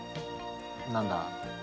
何だ？